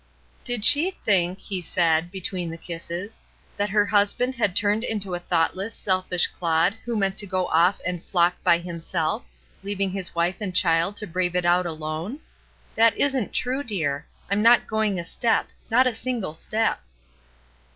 "Did she think," he said, between the kisses, "that her husband had turned into a thought less, selfish clod who meant to go off and 'flock by himself,' leaving his wife and child to brave it out alone? That isn't true, dear; I'm not going a step — not a single step."